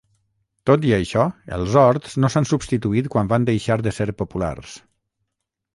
Tot i això, els horts no s'han substituït quan van deixar de ser populars.